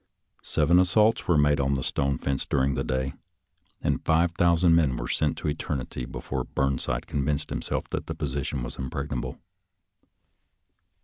Seven assaults were made on the stone fence during the day, and five thousand men were sent to eternity before Burnside convinced himself that the position was impregnable.